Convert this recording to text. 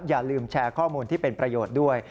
อย่าลืมแชร์ข้อมูลที่เป็นประโยชน์ด้วย